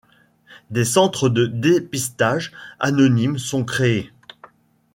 Des centres de dépistage anonymes sont créés.